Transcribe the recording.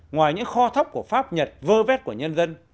ngoài những kho thóc của pháp nhật vơ vét của nhân dân